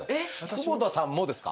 久保田さんもですか？